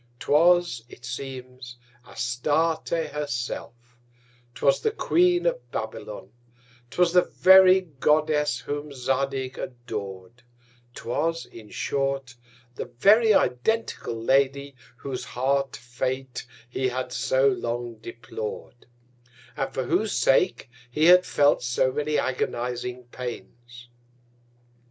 'Twas, it seems Astarte her self; 'twas the Queen of Babylon; 'twas the very Goddess whom Zadig ador'd; 'twas, in short, the very identical Lady, whose hard Fate he had so long deplor'd; and for whose sake he had felt so many agonizing Pains.